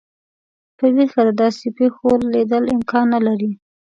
په ویښه د داسي پیښو لیدل امکان نه لري.